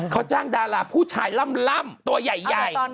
เขาจ้างดาราผู้ชายล่ำตัวใหญ่